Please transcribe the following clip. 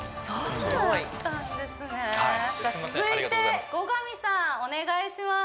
続いて後上さんお願いします